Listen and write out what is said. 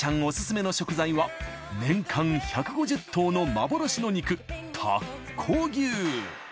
オススメの食材は年間１５０頭の幻の肉田子牛